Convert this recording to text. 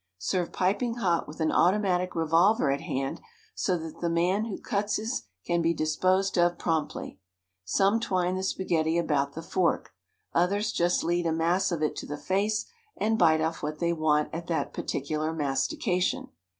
Serve piping hot with an automatic revolver at hand so that the man who cuts his can be disposed of promptly. Some twine the spaghetti about the fork. Others just lead a mass of it to the face and bite off what they want at that particular mastication.